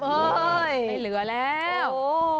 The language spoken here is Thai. ไม่เหลือแล้ว